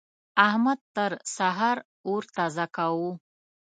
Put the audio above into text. احمد تر سهار اور تازه کاوو.